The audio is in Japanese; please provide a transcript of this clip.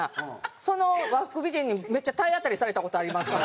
その和服美人にめっちゃ体当たりされた事ありますから。